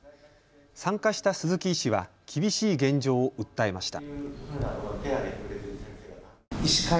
参加した鈴木医師は厳しい現状を訴えました。